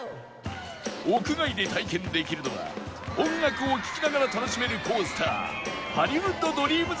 屋外で体験できるのは音楽を聴きながら楽しめるコースター